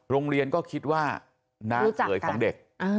ร้องเรียนก็คิดว่าน่าเกิดของเด็ก